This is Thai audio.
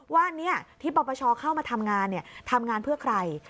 ว่าที่ปปชเข้ามาทำงานทำงานเพื่อใคร